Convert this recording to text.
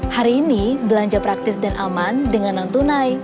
hari ini belanja praktis dan aman dengan non tunai